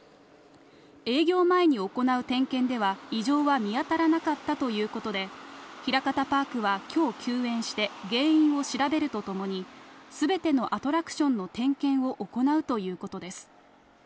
営業前に行う点検では、異常は見当たらなかったということで、ひらかたパークは今日、休園して原因を調べるとともに全てのアトラクションの点検を行うということです。